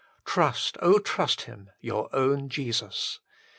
Trust, trust Him, your own Jesus.